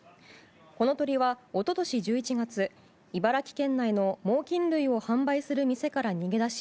この鳥は、一昨年１１月茨城県内の猛禽類を販売する店から逃げ出し